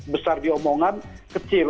besar diomongan kecil